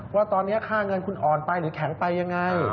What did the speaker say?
ว่าตอนนี้ค่าเงินคุณอ่อนไปหรือแข็งไปยังไง